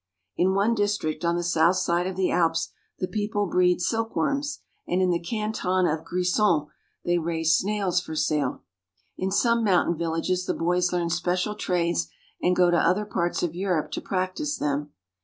In one district on the south side of the Alps the people breed silkworms, and in the canton of Grisons they raise snails for sale. In some mountain villages the boys learn special trades, and go to other parts of Europe to practice them.